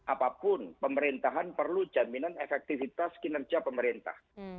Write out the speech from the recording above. apapun pemerintahan perlu jaminan efektivitas kinerja pemerintah